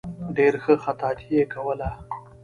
ډېره ښه خطاطي یې کوله.